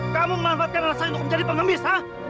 kamu memanfaatkan anak saya untuk menjadi pengemis